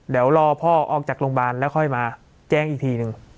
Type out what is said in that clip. เดี๋ยวรอพ่อออกจากโรงพยาบาลแล้วค่อยมาแจ้งอีกทีหนึ่ง